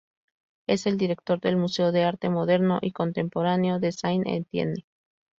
Es el director del Museo de Arte Moderno y Contemporáneo de Saint-Étienne.